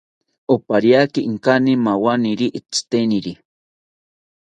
Opariaki inkanipero maaweni tziteniri